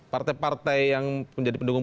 partai partai yang menjadi pendukung